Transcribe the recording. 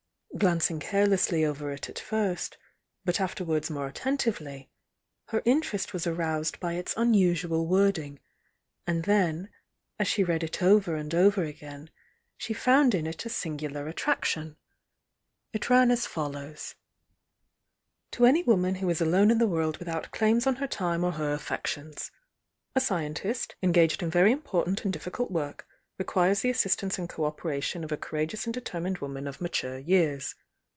Glancing carelessly over it at first, but afterwards more attentively, her interest was aroused by its unusual wording, and then as she read it over and over again she found in it a singu lar attraction. It ran as follows: "To ANY WOMAN who is alone in the world without CLAIMS on HER TIME or HER AFFECTIONS. "A SCIENTIST, engaged in very important and DIFFICULT work, requires the assistance and co operation of a Courageous and Determined Woman of mature years.